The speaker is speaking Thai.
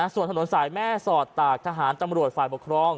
ส่วนถนนสายแม่สอดตากตามรวจตามฯฟ้าปกครอง